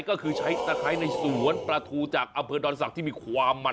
ก็คือใช้ตะไคร้ในสวนปลาทูจากอำเภอดอนศักดิ์ที่มีความมัน